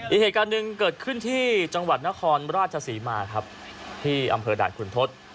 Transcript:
อีกเหตุการณ์หนึ่งเกิดขึ้นที่จังหวัดนครราชศรีมาครับที่อำเภอด่านคุณทศ